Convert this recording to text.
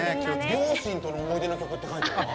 両親との思い出の曲って書いてあるわ。